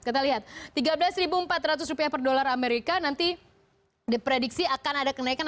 kita lihat tiga belas empat ratus rupiah per dolar amerika nanti diprediksi akan ada kenaikan